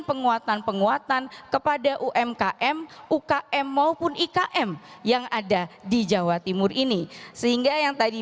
penguatan penguatan kepada umkm ukm maupun ikm yang ada di jawa timur ini sehingga yang tadi